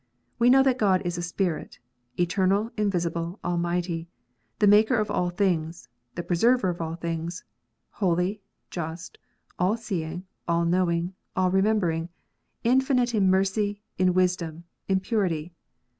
We know that God is a Spirit, eternal, invisible, almighty, the Maker of all things, the Preserver of all things, holy, just, all seeing, all knowing, all remembering, infinite in mercy, in wisdom, in purity.